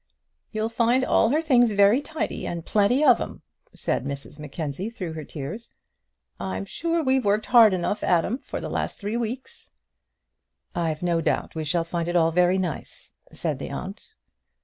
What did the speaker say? "You'll find all her things very tidy, and plenty of 'em," said Mrs Mackenzie through her tears. "I'm sure we've worked hard enough at 'em for the last three weeks." "I've no doubt we shall find it all very nice," said the aunt.